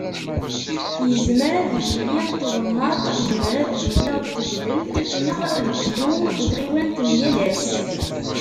Yezmer ad yili n twennaḍt, yezmer ad yili n tedbelt neɣ deg useddu n tɣiwant n yal ass.